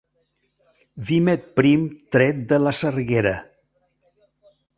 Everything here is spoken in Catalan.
Vímet prim tret de la sarguera.